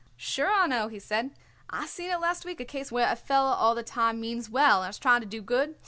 "Sure, I know," he said. "I seen it last week a case where a feller all the time means well and is trying to do good.